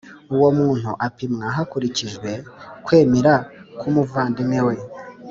uwo muntu apimwa hakurikijwe kwemera k’umuvandimwe we